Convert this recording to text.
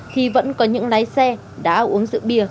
thì vẫn có những lái xe đã uống rượu bia